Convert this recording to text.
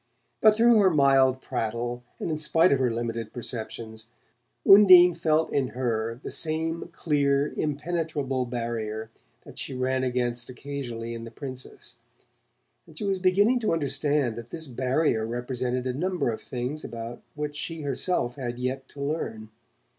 But through her mild prattle, and in spite of her limited perceptions. Undine felt in her the same clear impenetrable barrier that she ran against occasionally in the Princess; and she was beginning to understand that this barrier represented a number of things about which she herself had yet to learn.